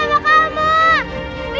aku mau ketemu sama kamu